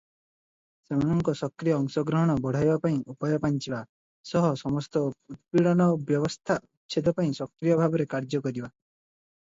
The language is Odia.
ସେମାନଙ୍କ ସକ୍ରିୟ ଅଂଶଗ୍ରହଣ ବଢ଼ାଇବା ପାଇଁ ଉପାୟ ପାଞ୍ଚିବା ସହ ସମସ୍ତ ଉତ୍ପୀଡ଼ନ ବ୍ୟବସ୍ଥା ଉଚ୍ଛେଦ ପାଇଁ ସକ୍ରିୟ ଭାବରେ କାର୍ଯ୍ୟ କରିବା ।